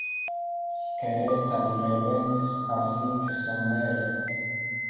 Skeleta li revenis pasintsomere.